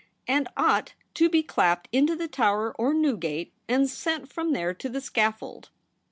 and ought to be clapped into the Tower or Newgate, and sent from there to the scaffold.'